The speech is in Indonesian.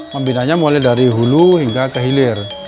pembinanya mulai dari hulu hingga ke hilir